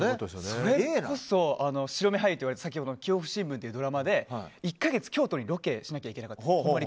それこそ白目俳優といわれた「恐怖新聞」というドラマで１か月京都にロケをしなきゃいけなったんです。